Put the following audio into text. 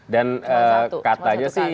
dan katanya sih ya